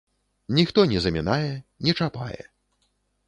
Ніхто не замінае, не чапае.